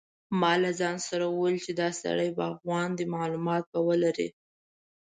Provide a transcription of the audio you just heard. ما له ځان سره وویل چې دا سړی باغوان دی معلومات به ولري.